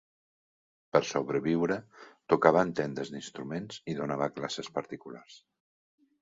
Per sobreviure tocava en tendes d'instruments i donava classes particulars.